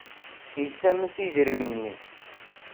Yessames i yidrimen-nni.